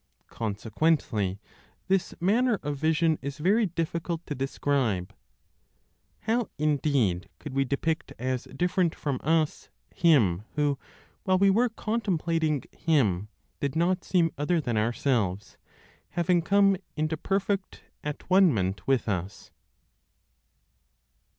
Consequently this manner of vision is very difficult to describe. How indeed could we depict as different from us Him who, while we were contemplating Him, did not seem other than ourselves, having come into perfect at one ment with us?